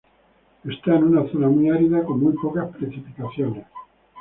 Está en una zona muy árida con muy pocas precipitaciones.